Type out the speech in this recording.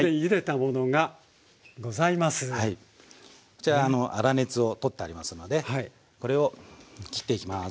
こちら粗熱を取ってありますのでこれを切っていきます。